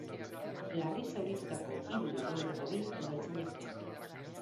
Larri zauritutako hiru lagunetako bi udaltzainak dira.